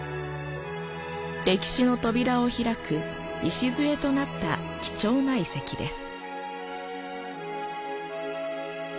歴史の扉を開く礎となった貴重な遺跡です。